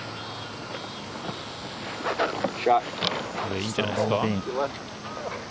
いいんじゃないですか。